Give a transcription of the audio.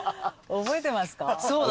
覚えてますか？